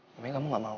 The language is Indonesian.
namanya kamu gak mau